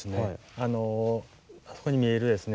あそこにみえるですね